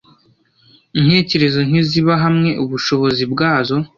Intekerezo ntiziba hamwe ubushobozi bwazo